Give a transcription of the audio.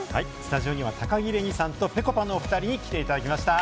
スタジオには高城れにさんと、ぺこぱのお２人に来ていただきました。